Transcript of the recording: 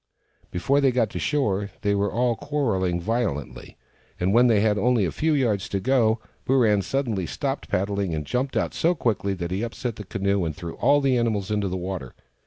Before they got to shore, they were all quarrelling violently, and when they had only a few yards to go Booran suddenly stopped paddling, and jumped out so quickly that he upset the canoe, and threw all the animals into the water.